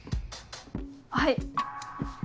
はい。